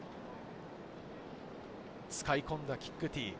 使い込んだキックティー。